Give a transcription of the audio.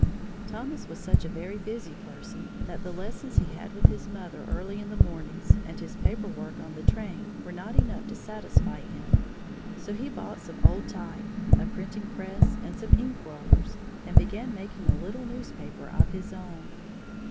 Thomas was such a very busy person that the lessons he had with his mother early in the mornings and his paper work on the train were not enough to satisfy him, so he bought some old type, a printing press, and some ink rollers, and began making a little newspaper of his own.